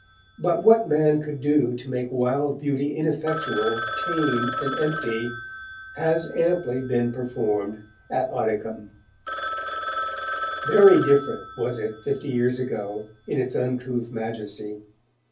But what man could do to make wild beauty ineffectual, tame and empty, has amply been performed at Oddicombe. Very different was it fifty years ago, in its uncouth majesty.